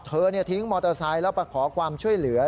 ทิ้งมอเตอร์ไซค์แล้วไปขอความช่วยเหลือ